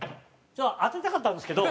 当てたかったんですけど。